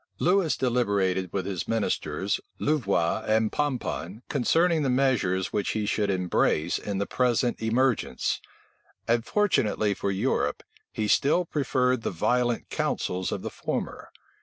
Lewis deliberated with his ministers, Louvois and Pomponne, concerning the measures which he should embrace in the present emergence; and fortunately for Europe, he still preferred the violent counsels of the former.